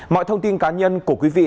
mọi thông tin cá nhân của quý vị